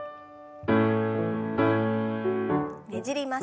ねじります。